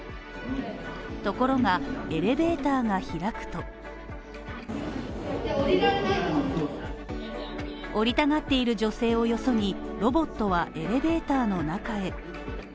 ところが、エレベーターが開くと降りたがっている女性をよそにロボットは、エレベーターの中へ。